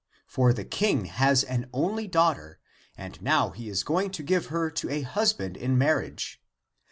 For the King has an only daughter and now he is going to give her to a husband in marriage.